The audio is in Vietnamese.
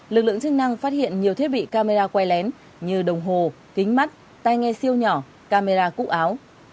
lực lượng chức năng phát hiện nhiều thiết bị camera quay lén như đồng hồ kính mắt tai nghe siêu nhỏ camera cụ áo